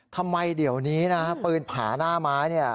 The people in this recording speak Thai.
ทำไมเดี๋ยวนี้นะปืนผาหน้าไม้เนี่ย